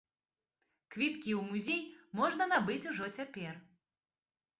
Квіткі ў музей можна набыць ужо цяпер.